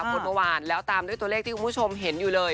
พูดเมื่อวานแล้วตามด้วยตัวเลขที่คุณผู้ชมเห็นอยู่เลย